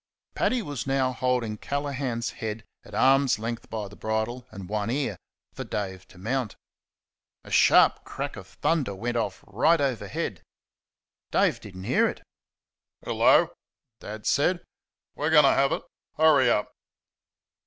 Paddy was now holding Callaghan's head at arms' length by the bridle and one ear, for Dave to mount. A sharp crack of thunder went off right overhead. Dave did n't hear it. "Hello!" Dad said, "We're going to have it hurry up!"